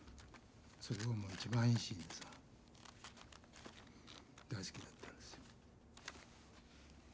それがもう一番いいシーンでさ大好きだったんですよ。